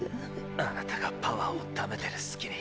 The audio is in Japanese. あなたがパワーをためてる隙に。